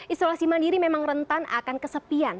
isolasi mandiri memang rentan akan kesepian